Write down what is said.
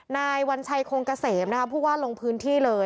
นายวัญชัยคงเกษมผู้ว่าลงพื้นที่เลย